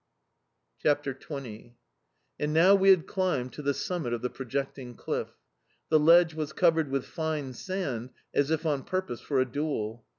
CHAPTER XX AND now we had climbed to the summit of the projecting cliff. The ledge was covered with fine sand, as if on purpose for a duel.